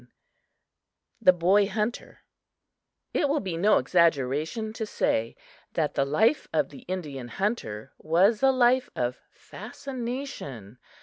III: The Boy Hunter IT will be no exaggeration to say that the life of the Indian hunter was a life of fascination.